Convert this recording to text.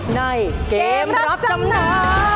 ในเกมรับจำนำ